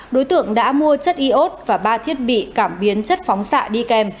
đối tượng đã mua chất iốt và ba thiết bị cảm biến chất phóng xạ đi kèm